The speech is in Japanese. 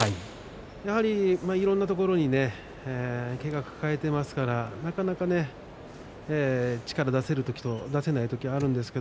やはりいろいろなところにけがを抱えていますから力を出せる時と出せない時がありますね。